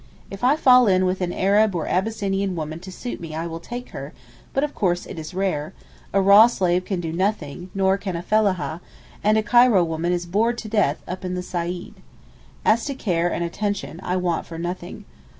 If I fall in with an Arab or Abyssinian woman to suit me I will take her; but of course it is rare; a raw slave can do nothing, nor can a fellaha, and a Cairo woman is bored to death up in the Saeed. As to care and attention, I want for nothing.